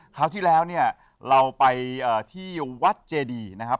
คราวที่แล้วเนี่ยเราไปที่วัดเจดีนะครับ